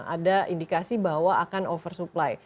ada indikasi bahwa akan over supply